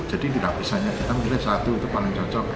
jadi tidak pisahnya kita pilih satu itu paling cocok